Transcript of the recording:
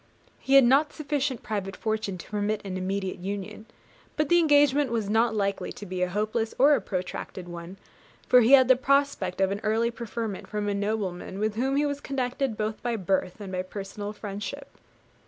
He had not sufficient private fortune to permit an immediate union; but the engagement was not likely to be a hopeless or a protracted one, for he had a prospect of early preferment from a nobleman with whom he was connected both by birth and by personal friendship.